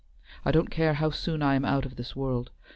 I don't care how soon I am out of this world.